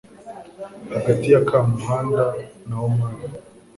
hagati ya kamuhanda na omani